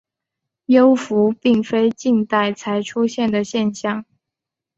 幽浮并非近代才出现的现象。